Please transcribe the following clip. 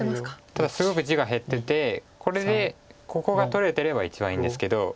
ただすごく地が減っててこれでここが取れてれば一番いいんですけど。